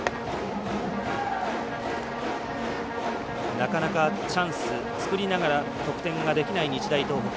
なかなか、チャンスを作りながら得点ができない日大東北。